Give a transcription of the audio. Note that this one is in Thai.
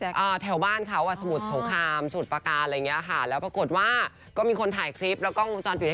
และแถวบ้านเค้าอะสมุทรสงคามสู่ประกานอะไรเงี้ย